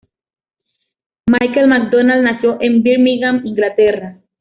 Michael McDonald nació en Birmingham, Inglaterra.